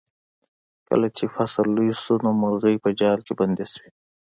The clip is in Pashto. کله چې فصل لوی شو نو مرغۍ په جال کې بندې شوې.